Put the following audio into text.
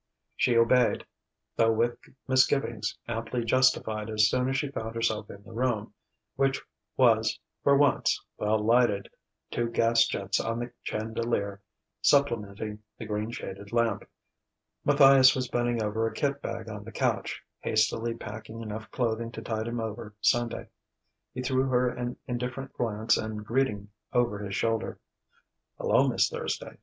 She obeyed, though with misgivings amply justified as soon as she found herself in the room, which was for once well lighted, two gas jets on the chandelier supplementing the green shaded lamp. Matthias was bending over a kit bag on the couch, hastily packing enough clothing to tide him over Sunday. He threw her an indifferent glance and greeting over his shoulder. "Hello, Miss Thursday!